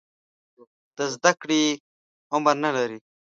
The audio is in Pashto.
د زده کړې عمر نه لري.